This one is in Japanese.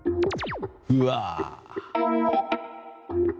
うわ！